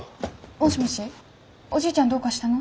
もしもしおじいちゃんどうかしたの？